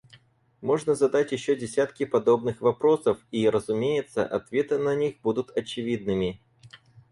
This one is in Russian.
Можно задать еще десятки подобных вопросов, и, разумеется, ответы на них будут очевидными.